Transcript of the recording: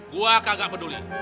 gue kagak peduli